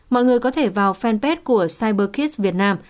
mọi người có thể vào fanpage của cyberkids việt nam